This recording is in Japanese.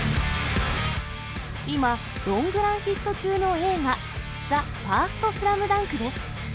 今、ロングランヒット中の映画、ＴＨＥＦＩＲＳＴＳＬＡＭＤＵＮＫです。